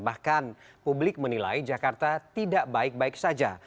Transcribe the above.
bahkan publik menilai jakarta tidak baik baik saja